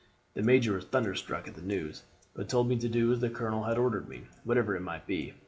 "The major was thunderstruck at the news, but told me to do as the colonel had ordered me, whatever it might be.